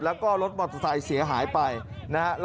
แล้วก็รถมอเตอร์ไซค์เสียหายไปนะฮะ